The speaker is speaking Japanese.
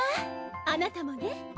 あなたもね。